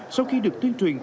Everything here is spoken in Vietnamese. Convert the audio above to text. sau khi được tuyên truyền